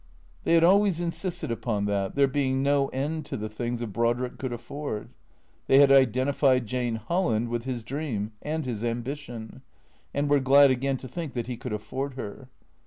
They had always insisted upon that, there being no end to the things a Brodrick could afford. They had identified Jane Holland with his dream and his ambition, and were glad again to think that he could afford her.